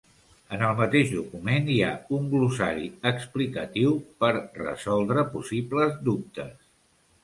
En el mateix document hi ha un glossari explicatiu per resoldre possibles dubtes.